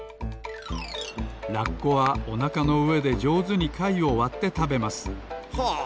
ラッコはおなかのうえでじょうずにかいをわってたべますほう！